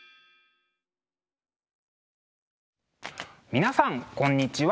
皆さんこんにちは。